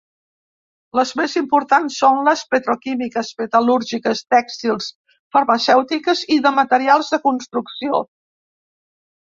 Les més importants són les petroquímiques, metal·lúrgiques, tèxtils, farmacèutiques i de materials de construcció.